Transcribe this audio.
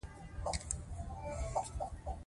پښتو ژبه زموږ د زړونو ژبه ده.